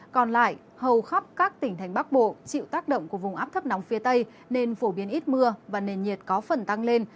còn lại hầu khắp các tỉnh thành bắc bộ chịu tác động của vùng áp thấp nóng phía tây nên phổ biến ít mưa và nền nhiệt có phần tăng lên